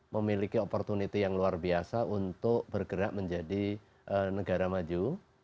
memiliki opportunity yang luar biasa untuk bergerak menjadi negara maju